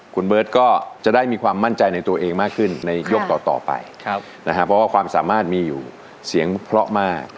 คุณเบิร์ตก็จะได้มีความมั่นใจในตัวเองมากขึ้นในยกต่อไปนะครับเพราะว่าความสามารถมีอยู่เสียงเพราะมาก